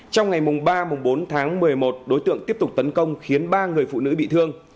trong ngày ba bốn tháng một mươi một đối tượng tiếp tục tấn công khiến ba người phụ nữ bị thương